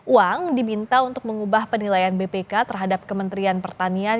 uang diminta untuk mengubah penilaian bpk terhadap kementerian pertanian